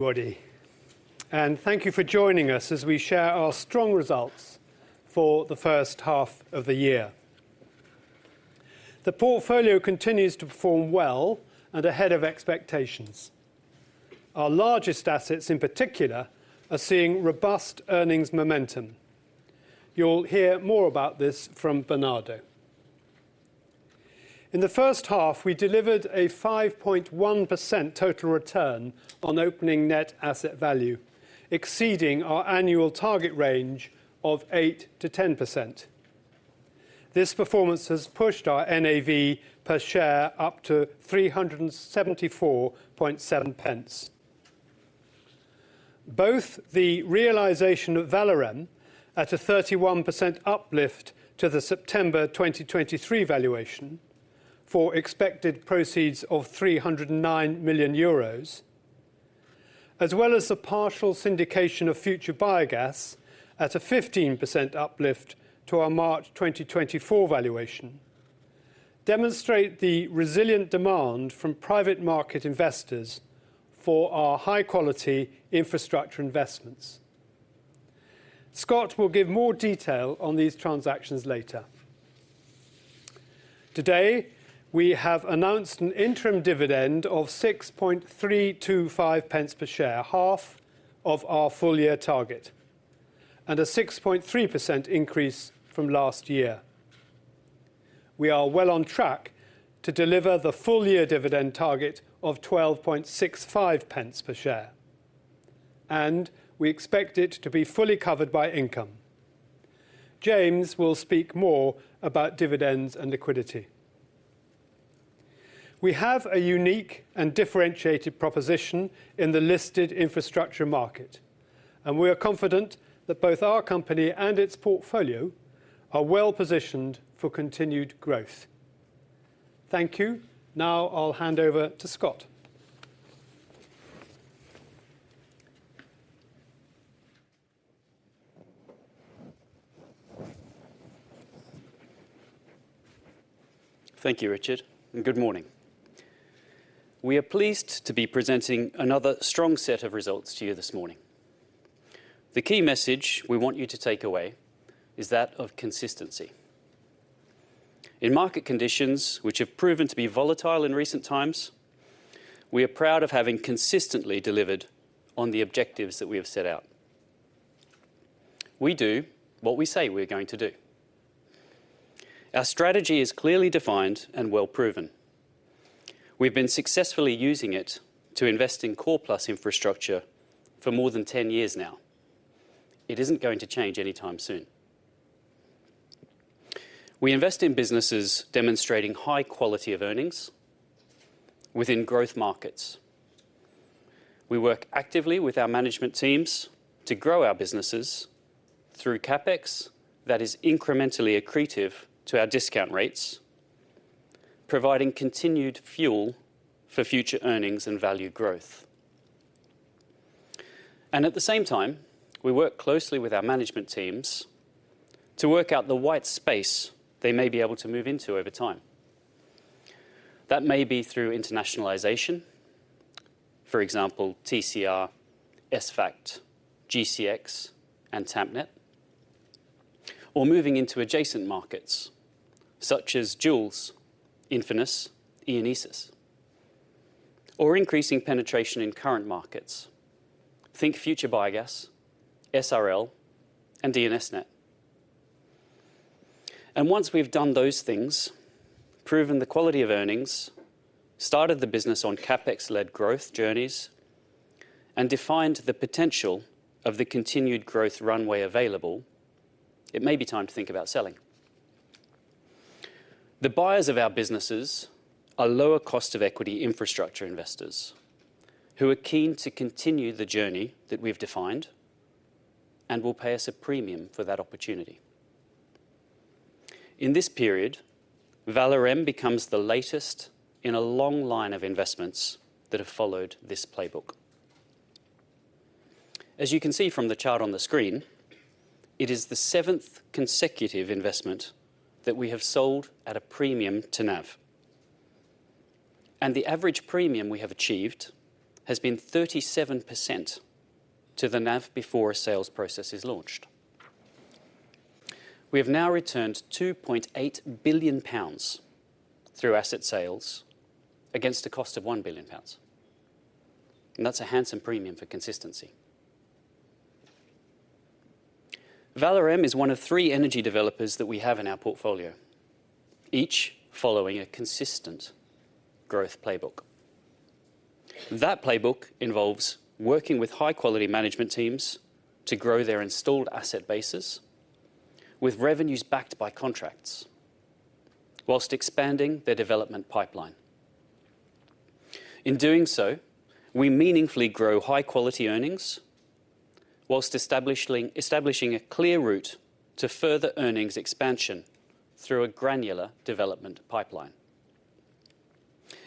Everybody, and thank you for joining us as we share our strong results for the first half of the year. The portfolio continues to perform well and ahead of expectations. Our largest assets, in particular, are seeing robust earnings momentum. You'll hear more about this from Bernardo. In the first half, we delivered a 5.1% total return on opening net asset value, exceeding our annual target range of 8%-10%. This performance has pushed our NAV per share up to 374.7 pence. Both the realization of Valorem at a 31% uplift to the September 2023 valuation for expected proceeds of 309 million euros, as well as the partial syndication of Future Biogas at a 15% uplift to our March 2024 valuation, demonstrate the resilient demand from private market investors for our high-quality infrastructure investments. Scott will give more detail on these transactions later. Today, we have announced an interim dividend of 6.325 per share, half of our full-year target, and a 6.3% increase from last year. We are well on track to deliver the full-year dividend target of 12.65 per share, and we expect it to be fully covered by income. James will speak more about dividends and liquidity. We have a unique and differentiated proposition in the listed infrastructure market, and we are confident that both our company and its portfolio are well positioned for continued growth. Thank you. Now I'll hand over to Scott. Thank you, Richard, and good morning. We are pleased to be presenting another strong set of results to you this morning. The key message we want you to take away is that of consistency. In market conditions, which have proven to be volatile in recent times, we are proud of having consistently delivered on the objectives that we have set out. We do what we say we're going to do. Our strategy is clearly defined and well proven. We've been successfully using it to invest in core-plus infrastructure for more than 10 years now. It isn't going to change anytime soon. We invest in businesses demonstrating high quality of earnings within growth markets. We work actively with our management teams to grow our businesses through CapEx that is incrementally accretive to our discount rates, providing continued fuel for future earnings and value growth. At the same time, we work closely with our management teams to work out the white space they may be able to move into over time. That may be through internationalization, for example, TCR, ESVAGT, GCX, and Tampnet, or moving into adjacent markets such as Joulz, Infinis, Ionisos, or increasing penetration in current markets, think Future Biogas, SRL, and DNS:NET. Once we've done those things, proven the quality of earnings, started the business on CapEx-led growth journeys, and defined the potential of the continued growth runway available, it may be time to think about selling. The buyers of our businesses are lower cost of equity infrastructure investors who are keen to continue the journey that we've defined and will pay us a premium for that opportunity. In this period, Valorem becomes the latest in a long line of investments that have followed this playbook. As you can see from the chart on the screen, it is the seventh consecutive investment that we have sold at a premium to NAV, and the average premium we have achieved has been 37% to the NAV before a sales process is launched. We have now returned 2.8 billion pounds through asset sales against a cost of 1 billion pounds, and that's a handsome premium for consistency. Valorem is one of three energy developers that we have in our portfolio, each following a consistent growth playbook. That playbook involves working with high-quality management teams to grow their installed asset bases with revenues backed by contracts whilst expanding their development pipeline. In doing so, we meaningfully grow high-quality earnings whilst establishing a clear route to further earnings expansion through a granular development pipeline.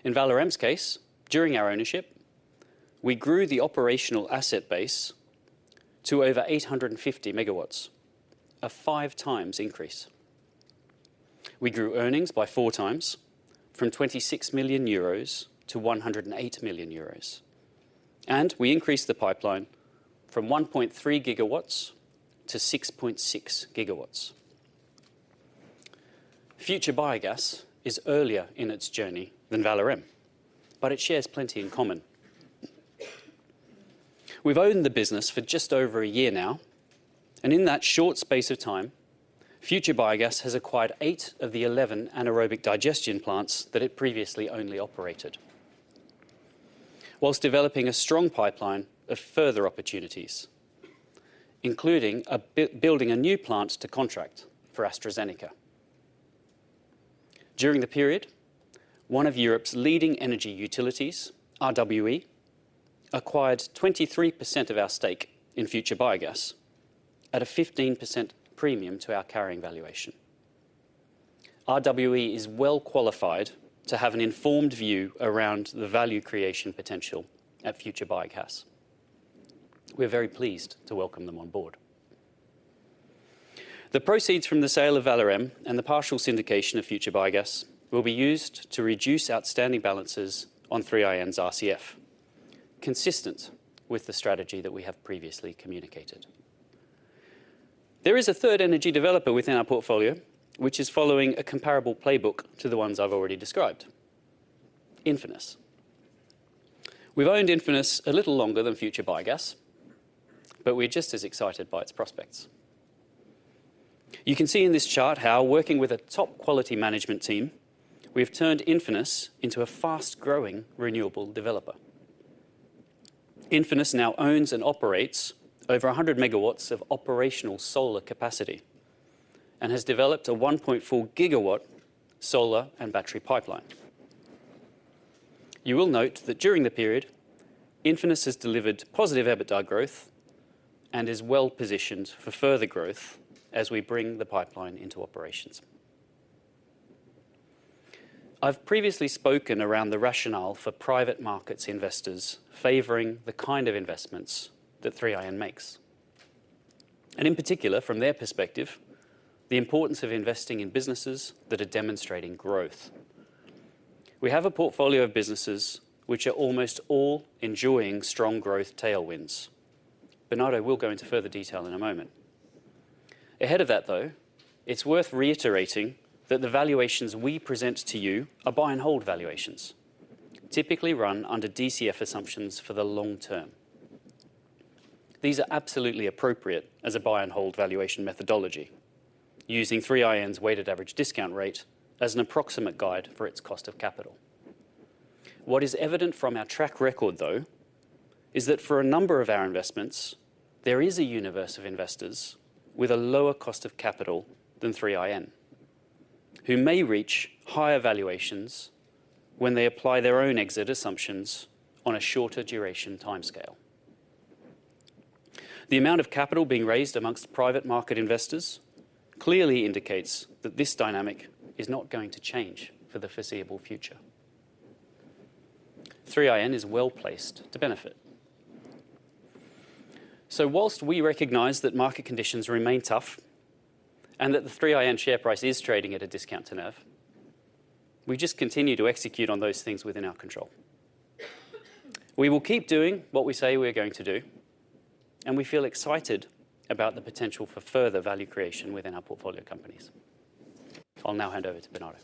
In Valorem's case, during our ownership, we grew the operational asset base to over 850 MW, a 5x increase. We grew earnings by 4x from 26 million euros to 108 million euros, and we increased the pipeline from 1.3 GW to 6.6 GW. Future Biogas is earlier in its journey than Valorem, but it shares plenty in common. We've owned the business for just over a year now, and in that short space of time, Future Biogas has acquired eight of the 11 anaerobic digestion plants that it previously only operated, while developing a strong pipeline of further opportunities, including building a new plant to contract for AstraZeneca. During the period, one of Europe's leading energy utilities, RWE, acquired 23% of our stake in Future Biogas at a 15% premium to our carrying valuation. RWE is well qualified to have an informed view around the value creation potential at Future Biogas. We are very pleased to welcome them on board. The proceeds from the sale of Valorem and the partial syndication of Future Biogas will be used to reduce outstanding balances on 3IN's RCF, consistent with the strategy that we have previously communicated. There is a third energy developer within our portfolio which is following a comparable playbook to the ones I've already described: Infinis. We've owned Infinis a little longer than Future Biogas, but we're just as excited by its prospects. You can see in this chart how, working with a top-quality management team, we've turned Infinis into a fast-growing renewable developer. Infinis now owns and operates over 100 MW of operational solar capacity and has developed a 1.4 GW solar and battery pipeline. You will note that during the period, Infinis has delivered positive EBITDA growth and is well positioned for further growth as we bring the pipeline into operations. I've previously spoken around the rationale for private markets investors favoring the kind of investments that 3IN makes, and in particular, from their perspective, the importance of investing in businesses that are demonstrating growth. We have a portfolio of businesses which are almost all enjoying strong growth tailwinds. Bernardo will go into further detail in a moment. Ahead of that, though, it's worth reiterating that the valuations we present to you are buy-and-hold valuations, typically run under DCF assumptions for the long term. These are absolutely appropriate as a buy-and-hold valuation methodology, using 3IN's weighted average discount rate as an approximate guide for its cost of capital. What is evident from our track record, though, is that for a number of our investments, there is a universe of investors with a lower cost of capital than 3IN, who may reach higher valuations when they apply their own exit assumptions on a shorter duration timescale. The amount of capital being raised amongst private market investors clearly indicates that this dynamic is not going to change for the foreseeable future. 3IN is well placed to benefit. So while we recognize that market conditions remain tough and that the 3IN share price is trading at a discount to NAV, we just continue to execute on those things within our control. We will keep doing what we say we are going to do, and we feel excited about the potential for further value creation within our portfolio companies. I'll now hand over to Bernardo.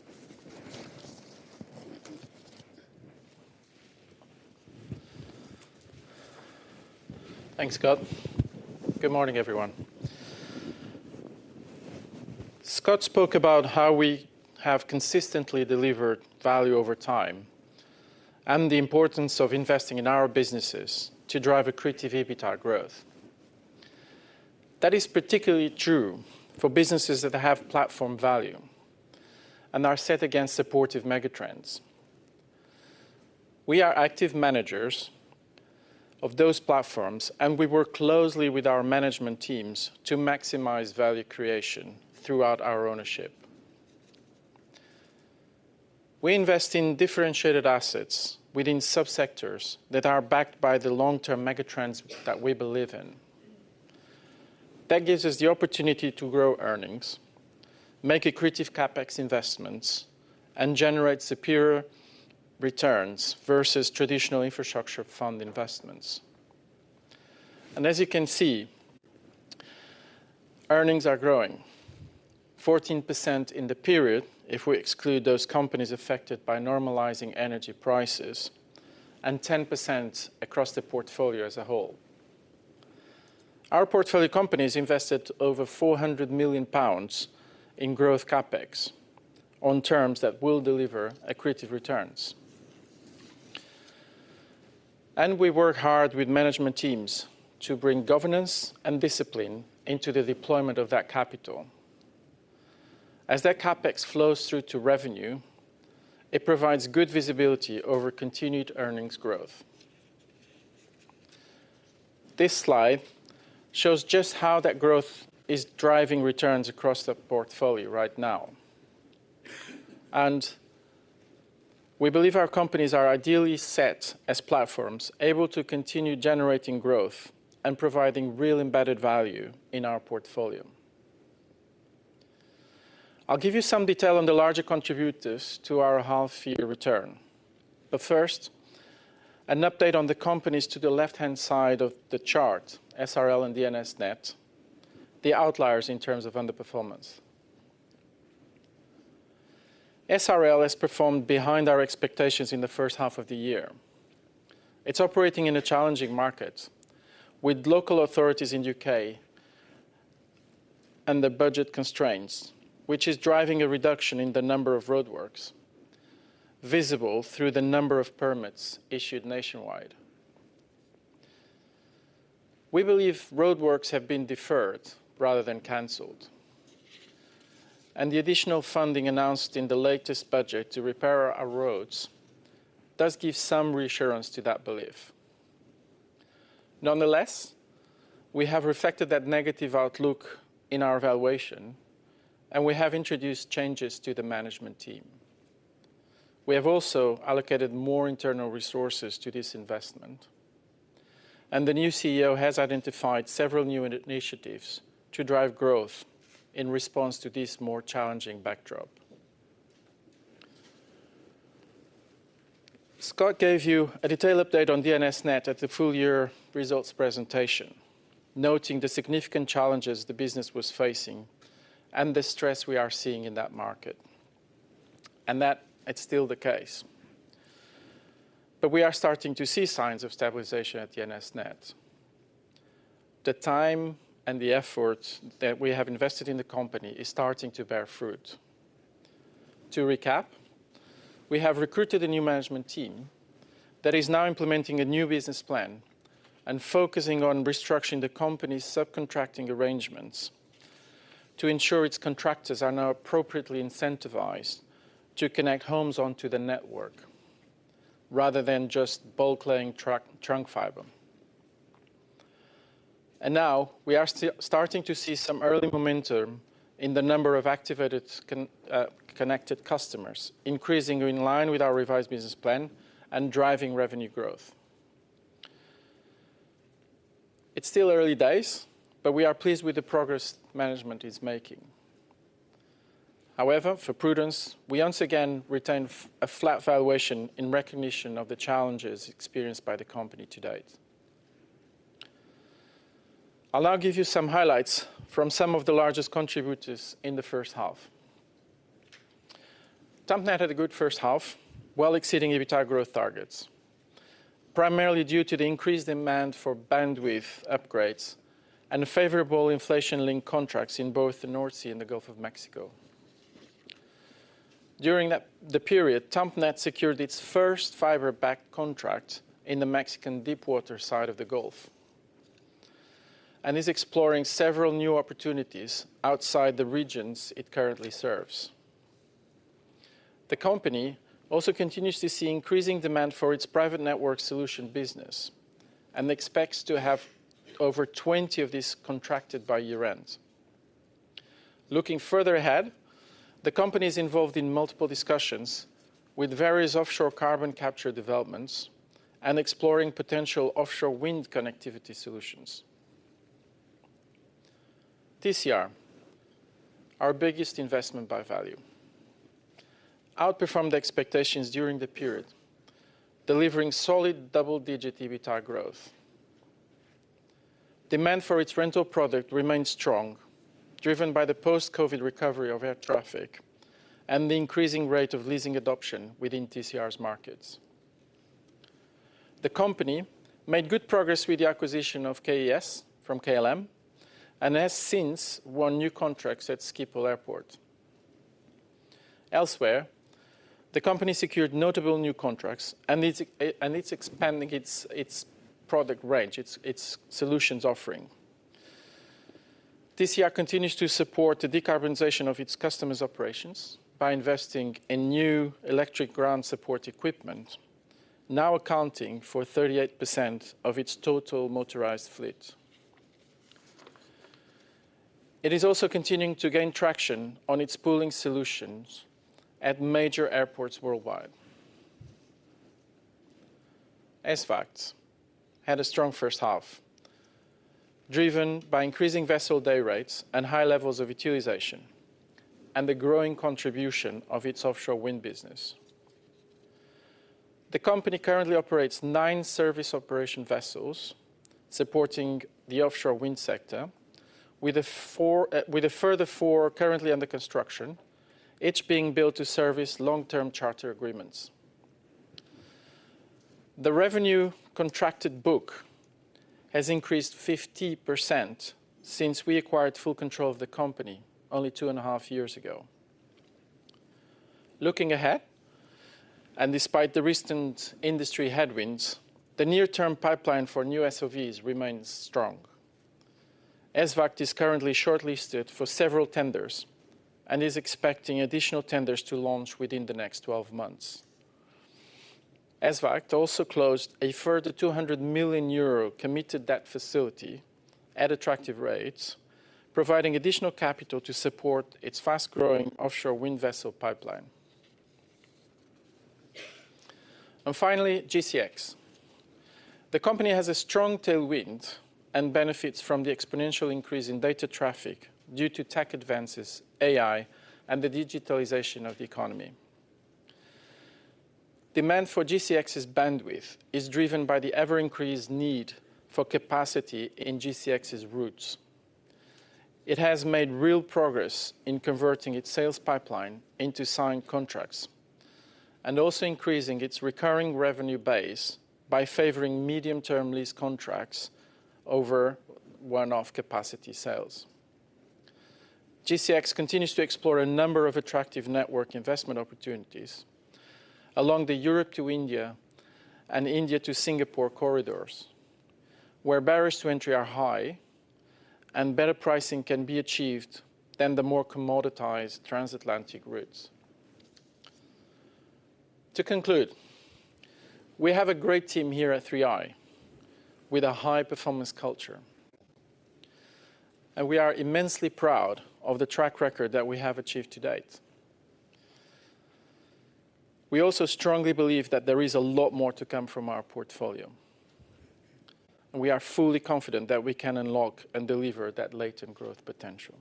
Thanks, Scott. Good morning, everyone. Scott spoke about how we have consistently delivered value over time and the importance of investing in our businesses to drive accretive EBITDA growth. That is particularly true for businesses that have platform value and are set against supportive megatrends. We are active managers of those platforms, and we work closely with our management teams to maximize value creation throughout our ownership. We invest in differentiated assets within subsectors that are backed by the long-term megatrends that we believe in. That gives us the opportunity to grow earnings, make accretive CapEx investments, and generate superior returns versus traditional infrastructure fund investments. And as you can see, earnings are growing: 14% in the period if we exclude those companies affected by normalizing energy prices and 10% across the portfolio as a whole. Our portfolio companies invested over 400 million pounds in growth CapEx on terms that will deliver accretive returns. And we work hard with management teams to bring governance and discipline into the deployment of that capital. As that CapEx flows through to revenue, it provides good visibility over continued earnings growth. This slide shows just how that growth is driving returns across the portfolio right now, and we believe our companies are ideally set as platforms able to continue generating growth and providing real embedded value in our portfolio. I'll give you some detail on the larger contributors to our half-year return, but first, an update on the companies to the left-hand side of the chart: SRL and DNS:NET, the outliers in terms of underperformance. SRL has performed behind our expectations in the first half of the year. It's operating in a challenging market with local authorities in the U.K. and the budget constraints, which is driving a reduction in the number of roadworks visible through the number of permits issued nationwide. We believe roadworks have been deferred rather than canceled, and the additional funding announced in the latest budget to repair our roads does give some reassurance to that belief. Nonetheless, we have reflected that negative outlook in our valuation, and we have introduced changes to the management team. We have also allocated more internal resources to this investment, and the new CEO has identified several new initiatives to drive growth in response to this more challenging backdrop. Scott gave you a detailed update on DNS:NET at the full-year results presentation, noting the significant challenges the business was facing and the stress we are seeing in that market, and that it's still the case. But we are starting to see signs of stabilization at DNS:NET. The time and the effort that we have invested in the company is starting to bear fruit. To recap, we have recruited a new management team that is now implementing a new business plan and focusing on restructuring the company's subcontracting arrangements to ensure its contractors are now appropriately incentivized to connect homes onto the network rather than just bulk-laying trunk fiber. And now we are starting to see some early momentum in the number of activated connected customers, increasing in line with our revised business plan and driving revenue growth. It's still early days, but we are pleased with the progress management is making. However, for prudence, we once again retain a flat valuation in recognition of the challenges experienced by the company to date. I'll now give you some highlights from some of the largest contributors in the first half. Tampnet had a good first half, well exceeding EBITDA growth targets, primarily due to the increased demand for bandwidth upgrades and favorable inflation-linked contracts in both the North Sea and the Gulf of Mexico. During the period, Tampnet secured its first fiber-backed contract in the Mexican deep-water side of the Gulf and is exploring several new opportunities outside the regions it currently serves. The company also continues to see increasing demand for its private network solution business and expects to have over 20 of these contracted by year-end. Looking further ahead, the company is involved in multiple discussions with various offshore carbon capture developments and exploring potential offshore wind connectivity solutions. TCR, our biggest investment by value, outperformed expectations during the period, delivering solid double-digit EBITDA growth. Demand for its rental product remained strong, driven by the post-COVID recovery of air traffic and the increasing rate of leasing adoption within TCR's markets. The company made good progress with the acquisition of KES from KLM and has since won new contracts at Schiphol Airport. Elsewhere, the company secured notable new contracts and is expanding its product range, its solutions offering. TCR continues to support the decarbonization of its customers' operations by investing in new electric ground support equipment, now accounting for 38% of its total motorized fleet. It is also continuing to gain traction on its pooling solutions at major airports worldwide. ESVAGT had a strong first half, driven by increasing vessel day rates and high levels of utilization and the growing contribution of its offshore wind business. The company currently operates nine service operation vessels supporting the offshore wind sector, with a further four currently under construction, each being built to service long-term charter agreements. The revenue contracted book has increased 50% since we acquired full control of the company only two and a half years ago. Looking ahead and despite the recent industry headwinds, the near-term pipeline for new SOVs remains strong. ESVAGT is currently shortlisted for several tenders and is expecting additional tenders to launch within the next 12 months. ESVAGT also closed a further 200 million euro committed debt facility at attractive rates, providing additional capital to support its fast-growing offshore wind vessel pipeline. And finally, GCX. The company has a strong tailwind and benefits from the exponential increase in data traffic due to tech advances, AI, and the digitalization of the economy. Demand for GCX's bandwidth is driven by the ever-increased need for capacity in GCX's routes. It has made real progress in converting its sales pipeline into signed contracts and also increasing its recurring revenue base by favoring medium-term lease contracts over one-off capacity sales. GCX continues to explore a number of attractive network investment opportunities along the Europe to India and India to Singapore corridors, where barriers to entry are high and better pricing can be achieved than the more commoditized transatlantic routes. To conclude, we have a great team here at 3i with a high-performance culture. We are immensely proud of the track record that we have achieved to date. We also strongly believe that there is a lot more to come from our portfolio, and we are fully confident that we can unlock and deliver that latent growth potential.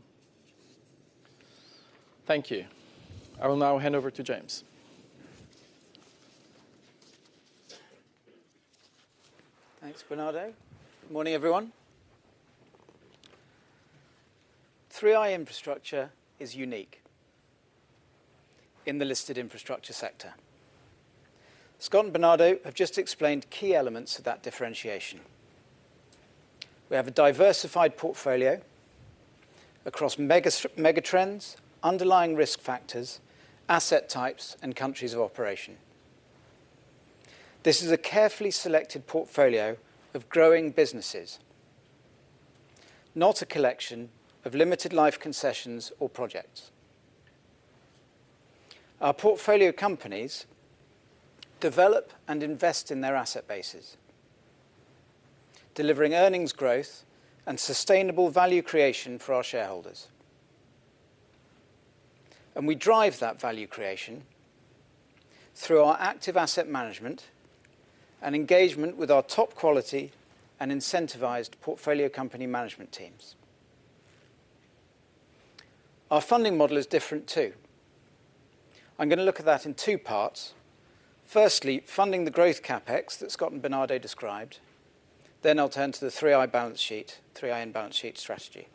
Thank you. I will now hand over to James. Thanks, Bernardo. Good morning, everyone. 3i Infrastructure is unique in the listed infrastructure sector. Scott and Bernardo have just explained key elements of that differentiation. We have a diversified portfolio across megatrends, underlying risk factors, asset types, and countries of operation. This is a carefully selected portfolio of growing businesses, not a collection of limited life concessions or projects. Our portfolio companies develop and invest in their asset bases, delivering earnings growth and sustainable value creation for our shareholders. We drive that value creation through our active asset management and engagement with our top-quality and incentivized portfolio company management teams. Our funding model is different too. I'm going to look at that in two parts. Firstly, funding the growth CapEx that Scott and Bernardo described. I'll turn to the 3i balance sheet, 3IN balance sheet strategy.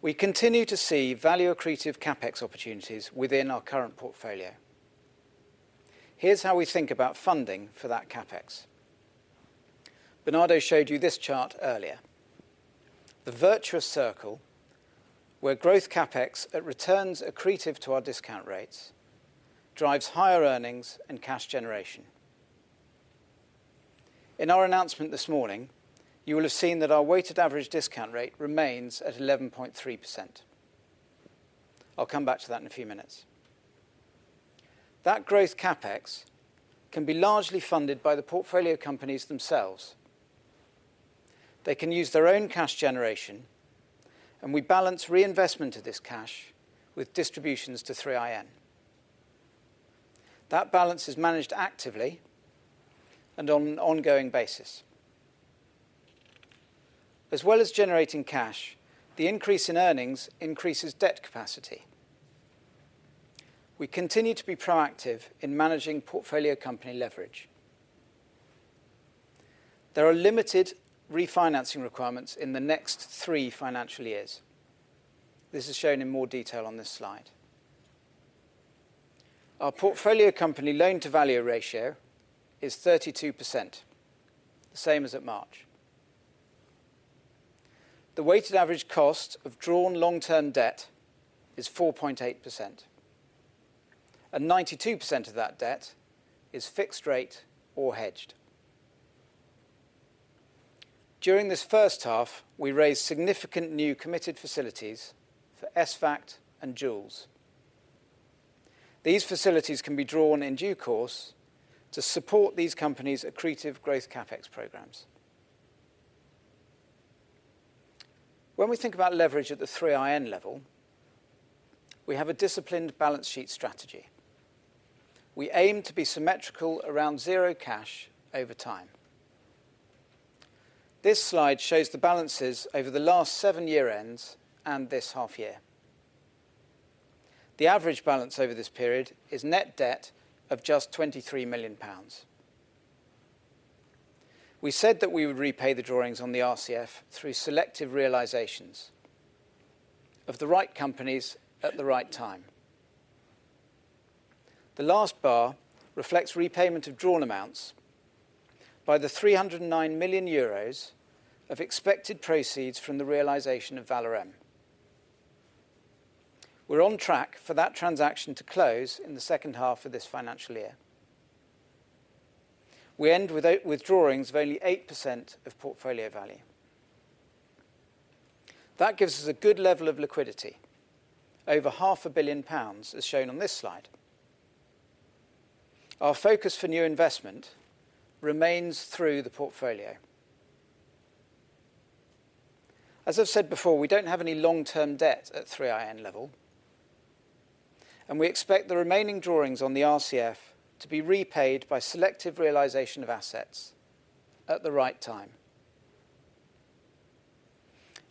We continue to see value-accretive CapEx opportunities within our current portfolio. Here's how we think about funding for that CapEx. Bernardo showed you this chart earlier. The virtuous circle where growth CapEx at returns accretive to our discount rates drives higher earnings and cash generation. In our announcement this morning, you will have seen that our weighted average discount rate remains at 11.3%. I'll come back to that in a few minutes. That growth CapEx can be largely funded by the portfolio companies themselves. They can use their own cash generation, and we balance reinvestment of this cash with distributions to 3IN. That balance is managed actively and on an ongoing basis. As well as generating cash, the increase in earnings increases debt capacity. We continue to be proactive in managing portfolio company leverage. There are limited refinancing requirements in the next three financial years. This is shown in more detail on this slide. Our portfolio company loan-to-value ratio is 32%, the same as at March. The weighted average cost of drawn long-term debt is 4.8%, and 92% of that debt is fixed rate or hedged. During this first half, we raised significant new committed facilities for ESVAGT and Joulz. These facilities can be drawn in due course to support these companies' accretive growth CapEx programs. When we think about leverage at the 3IN level, we have a disciplined balance sheet strategy. We aim to be symmetrical around zero cash over time. This slide shows the balances over the last seven year-ends and this half year. The average balance over this period is net debt of just 23 million pounds. We said that we would repay the drawings on the RCF through selective realizations of the right companies at the right time. The last bar reflects repayment of drawn amounts by the 309 million euros of expected proceeds from the realization of Valorem. We're on track for that transaction to close in the second half of this financial year. We end with drawings of only 8% of portfolio value. That gives us a good level of liquidity, over 500 million pounds, as shown on this slide. Our focus for new investment remains through the portfolio. As I've said before, we don't have any long-term debt at 3IN level, and we expect the remaining drawings on the RCF to be repaid by selective realization of assets at the right time.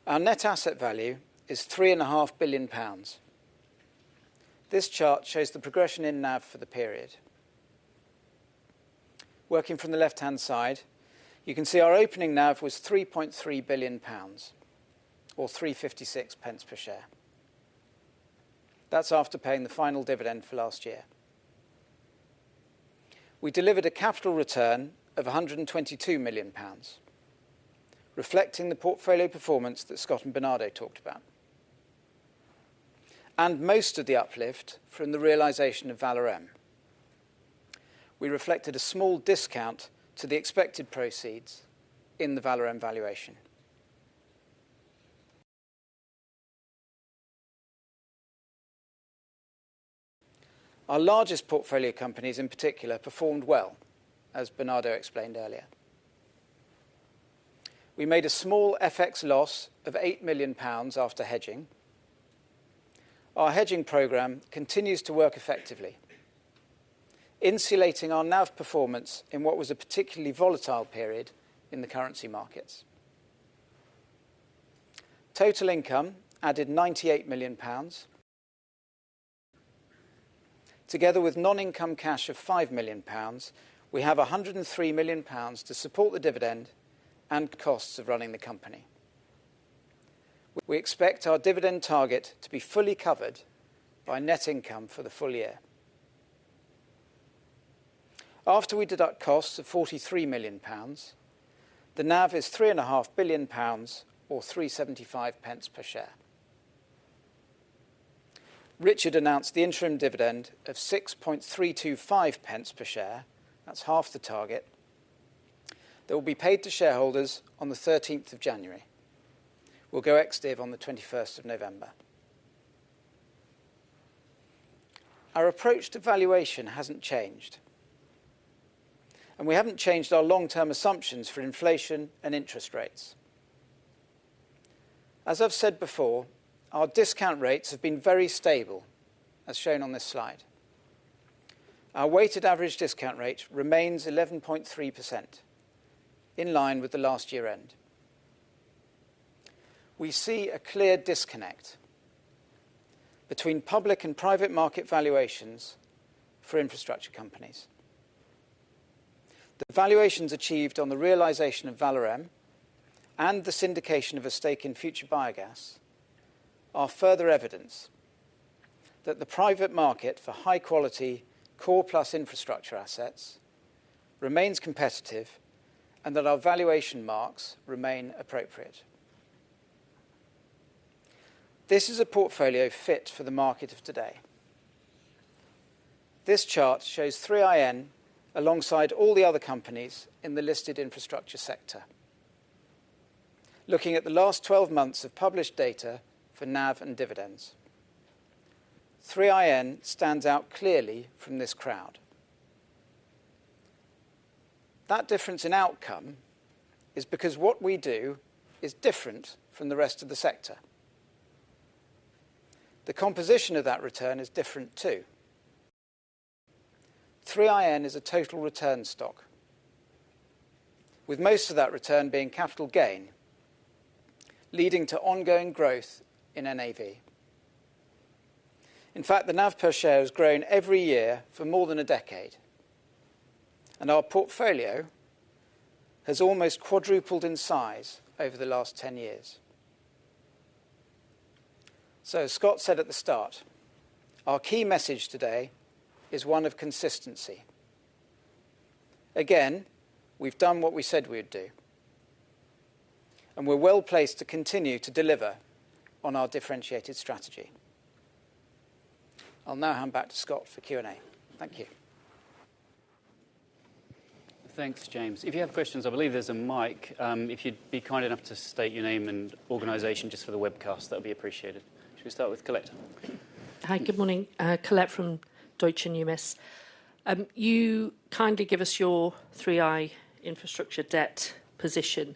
Our net asset value is 3.5 billion pounds. This chart shows the progression in NAV for the period. Working from the left-hand side, you can see our opening NAV was 3.3 billion pounds, or 3.56 pounds per share. That's after paying the final dividend for last year. We delivered a capital return of 122 million pounds, reflecting the portfolio performance that Scott and Bernardo talked about, and most of the uplift from the realization of Valorem. We reflected a small discount to the expected proceeds in the Valorem valuation. Our largest portfolio companies, in particular, performed well, as Bernardo explained earlier. We made a small FX loss of 8 million pounds after hedging. Our hedging program continues to work effectively, insulating our NAV performance in what was a particularly volatile period in the currency markets. Total income added 98 million pounds. Together with non-income cash of 5 million pounds, we have 103 million pounds to support the dividend and costs of running the company. We expect our dividend target to be fully covered by net income for the full year. After we deduct costs of 43 million pounds, the NAV is 3.5 billion pounds, or 3.75 per share. Richard announced the interim dividend of 6.325 per share. That's half the target. That will be paid to shareholders on the 13th of January. We'll go ex-div on the 21st of November. Our approach to valuation hasn't changed, and we haven't changed our long-term assumptions for inflation and interest rates. As I've said before, our discount rates have been very stable, as shown on this slide. Our weighted average discount rate remains 11.3%, in line with the last year-end. We see a clear disconnect between public and private market valuations for infrastructure companies. The valuations achieved on the realization of Valorem and the syndication of a stake in Future Biogas are further evidence that the private market for high-quality core-plus infrastructure assets remains competitive and that our valuation marks remain appropriate. This is a portfolio fit for the market of today. This chart shows 3IN alongside all the other companies in the listed infrastructure sector, looking at the last 12 months of published data for NAV and dividends. 3IN stands out clearly from this crowd. That difference in outcome is because what we do is different from the rest of the sector. The composition of that return is different too. 3IN is a total return stock, with most of that return being capital gain, leading to ongoing growth in NAV. In fact, the NAV per share has grown every year for more than a decade, and our portfolio has almost quadrupled in size over the last 10 years. So, as Scott said at the start, our key message today is one of consistency. Again, we've done what we said we would do, and we're well placed to continue to deliver on our differentiated strategy. I'll now hand back to Scott for Q&A. Thank you. Thanks, James. If you have questions, I believe there's a mic. If you'd be kind enough to state your name and organization just for the webcast, that would be appreciated. Should we start with Colette? Hi, good morning. Colette from Deutsche Numis. Could you kindly give us your 3i Infrastructure debt position?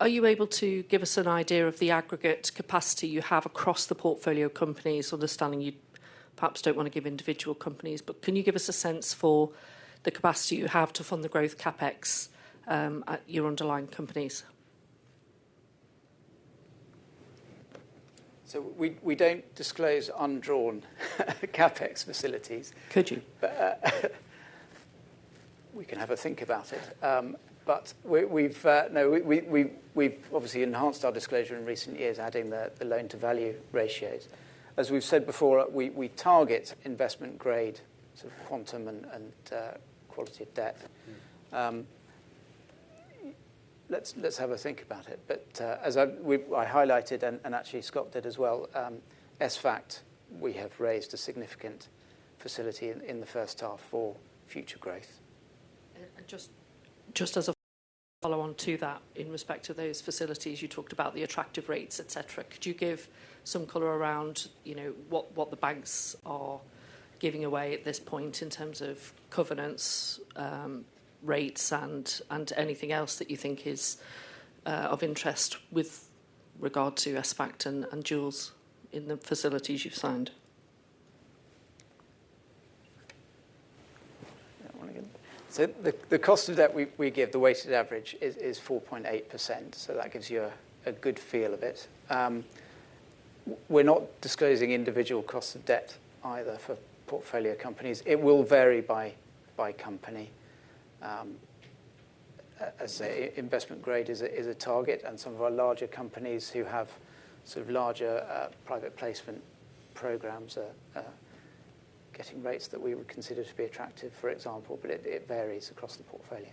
Are you able to give us an idea of the aggregate capacity you have across the portfolio companies? I understand you perhaps don't want to give individual companies, but can you give us a sense for the capacity you have to fund the growth CapEx at your underlying companies? We don't disclose undrawn CapEx facilities. Could you? We can have a think about it, but we've obviously enhanced our disclosure in recent years, adding the loan-to-value ratios. As we've said before, we target investment-grade sort of quantum and quality of debt. Let's have a think about it, but as I highlighted, and actually Scott did as well, in fact, we have raised a significant facility in the first half for future growth. Just as a follow-on to that, in respect to those facilities, you talked about the attractive rates, etc. Could you give some color around what the banks are giving away at this point in terms of covenants, rates, and anything else that you think is of interest with regard to ESVAGT and Joulz in the facilities you've signed? So the cost of debt we give, the weighted average, is 4.8%. So that gives you a good feel of it. We're not disclosing individual costs of debt either for portfolio companies. It will vary by company. Investment grade is a target, and some of our larger companies who have sort of larger private placement programs are getting rates that we would consider to be attractive, for example, but it varies across the portfolio.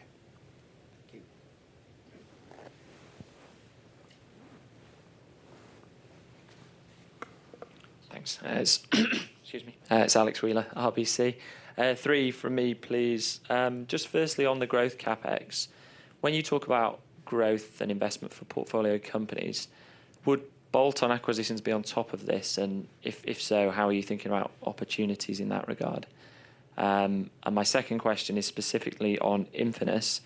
Thanks. It's Alex Wheeler, RBC. Three from me, please. Just firstly, on the growth CapEx, when you talk about growth and investment for portfolio companies, would bolt-on acquisitions be on top of this? And if so, how are you thinking about opportunities in that regard? And my second question is specifically on Infinis.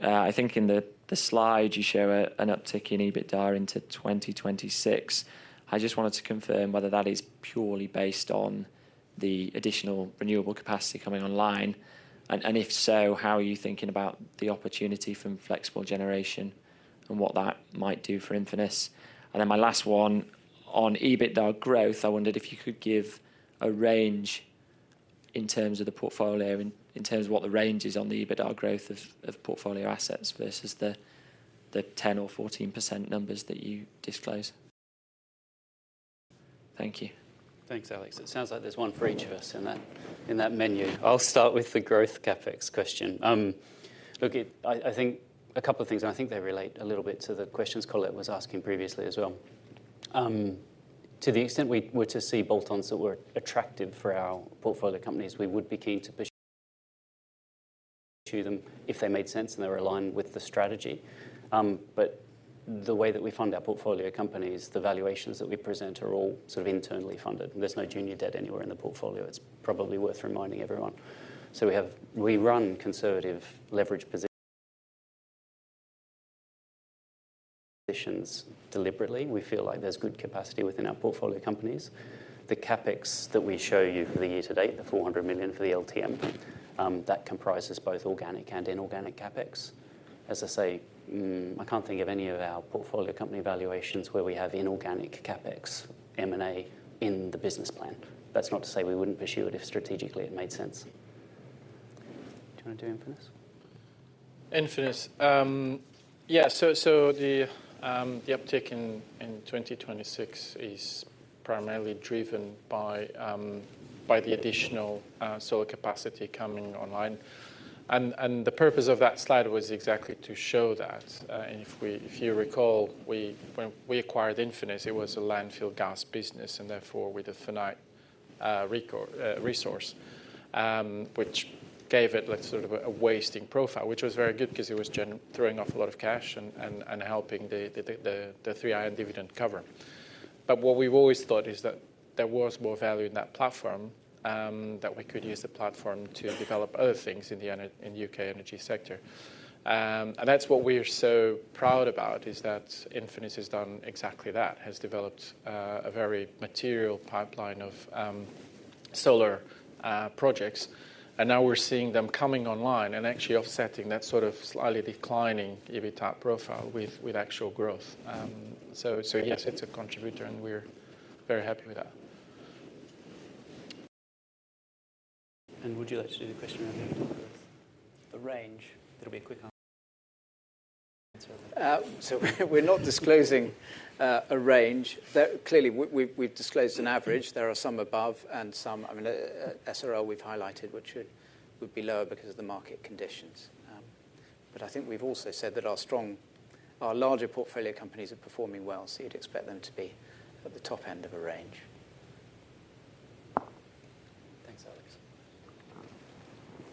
I think in the slide you show an uptick in EBITDA into 2026. I just wanted to confirm whether that is purely based on the additional renewable capacity coming online. And if so, how are you thinking about the opportunity from flexible generation and what that might do for Infinis? And then my last one, on EBITDA growth, I wondered if you could give a range in terms of the portfolio, in terms of what the range is on the EBITDA growth of portfolio assets versus the 10% or 14% numbers that you disclose. Thank you. Thanks, Alex. It sounds like there's one for each of us in that menu. I'll start with the growth CapEx question. Look, I think a couple of things, and I think they relate a little bit to the questions Colette was asking previously as well. To the extent we were to see bolt-ons that were attractive for our portfolio companies, we would be keen to pursue them if they made sense and they were aligned with the strategy, but the way that we fund our portfolio companies, the valuations that we present are all sort of internally funded. There's no junior debt anywhere in the portfolio. It's probably worth reminding everyone, so we run conservative leverage positions deliberately. We feel like there's good capacity within our portfolio companies. The CapEx that we show you for the year-to-date, the 400 million for the LTM, that comprises both organic and inorganic CapEx. As I say, I can't think of any of our portfolio company valuations where we have inorganic CapEx, M&A in the business plan. That's not to say we wouldn't pursue it if strategically it made sense. Do you want to do Infinis? Infinis. Yeah, so the uptick in 2026 is primarily driven by the additional solar capacity coming online. The purpose of that slide was exactly to show that. If you recall, when we acquired Infinis, it was a landfill gas business, and therefore with a finite resource, which gave it sort of a wasting profile, which was very good because it was throwing off a lot of cash and helping the 3IN dividend cover. What we've always thought is that there was more value in that platform, that we could use the platform to develop other things in the U.K. energy sector. That's what we're so proud about, is that Infinis has done exactly that, has developed a very material pipeline of solar projects. Now we're seeing them coming online and actually offsetting that sort of slightly declining EBITDA profile with actual growth. So yes, it's a contributor, and we're very happy with that. Would you like to do the question around the range? There'll be a quick answer. So we're not disclosing a range. Clearly, we've disclosed an average. There are some above and some, I mean, SRL we've highlighted, which would be lower because of the market conditions. But I think we've also said that our larger portfolio companies are performing well, so you'd expect them to be at the top end of a range. Thanks, Alex.